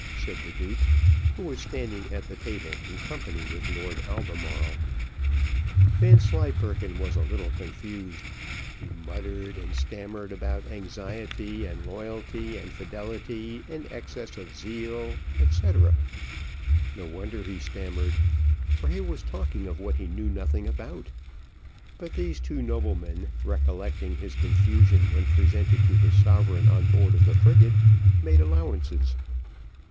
said the duke, who was standing at the table, in company with Lord Albemarle. Vanslyperken was a little confused he muttered, and stammered about anxiety, and loyalty, and fidelity, and excess of zeal, &c. No wonder he stammered, for he was talking of what he knew nothing about but these two noblemen recollecting his confusion when presented to his sovereign on board of the frigate, made allowances.